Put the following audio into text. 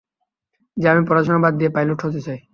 যে আমি পড়াশোনা বাদ দিয়ে পাইলট হতে চাই?